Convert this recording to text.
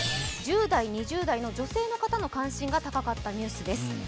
１０代、２０代の女性の方の関心が高かったニュースです。